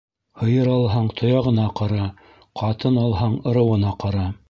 Һыйыр алһаң, тояғына ҡара, ҡатын алһаң, ырыуына ҡара.